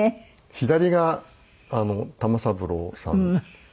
左が玉三郎さん。